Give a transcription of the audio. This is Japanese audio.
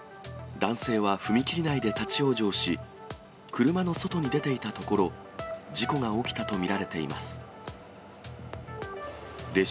男性は踏切内で立往生し、車の外に出ていたところ、事故が起きたと見られています。